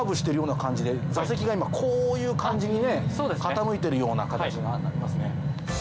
座席が今こういう感じにね傾いてるような形になりますね。